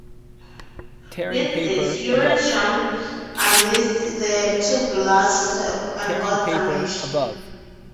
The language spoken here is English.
With this, Uran jumped amidst the two blasts and got damaged.